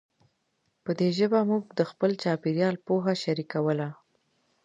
په دې ژبه موږ د خپل چاپېریال پوهه شریکوله.